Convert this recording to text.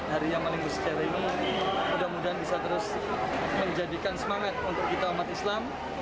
hari yang paling bersejarah ini mudah mudahan bisa terus menjadikan semangat untuk kita umat islam